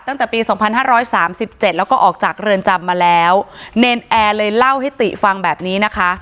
แต่ปี๒๕๓๗แล้วก็ออกจากเรือนจำมาแล้วเนนแอร์เลยเล่าให้ติฟังแบบนี้นะคะ